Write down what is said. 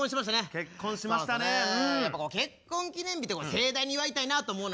やっぱ結婚記念日とか盛大に祝いたいなと思うのよね。